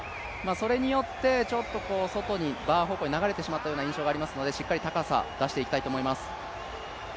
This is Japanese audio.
それによって外にバー方向に流れてしまったような印象がありますのでしっかり高さ、出していきたいと思います。